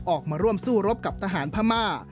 ออกมาร่วมสู้รบกับทหารพม่า